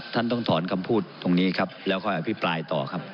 ท่านต้องถอนคำพูดตรงนี้ครับแล้วค่อยอภิปรายต่อครับ